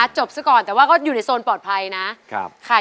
จบซะก่อนแต่ว่าก็อยู่ในโหมตใจของผ่านปกลายนะ